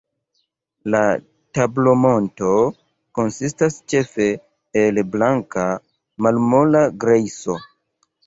La tablomonto konsistas ĉefe el blanka, malmola grejso.